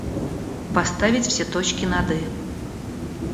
Поставить все точки над «и».